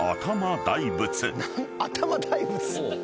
頭大仏！